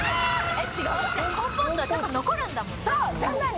違う⁉コンポートはちょっと残るんだもんね。